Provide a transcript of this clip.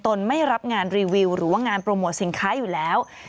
ไม่รับงานรีวิวหรือว่างานโปรโมทสินค้าอยู่แล้ว